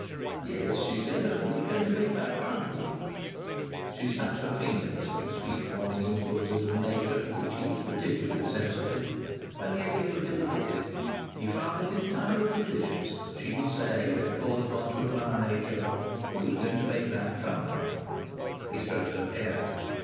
"Yes," she said, "and who's going to make that trunk lock?" She snapped her fingers at the sweet morning influences of Nature, to which he was peculiarly sensitive. And yet he was delighted. He found it entirely delicious that she should say, when called upon to admire Nature: "Who's going to make that trunk lock?" He stroked her hair.